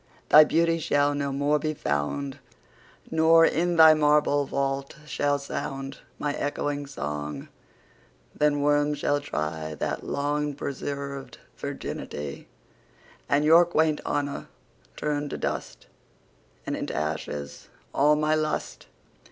Thy Beauty shall no more be found; Nor, in thy marble Vault, shall soundMy ecchoing Song: then Worms shall tryThat long preserv'd Virginity:And your quaint Honour turn to dust; And into ashes all my Lust.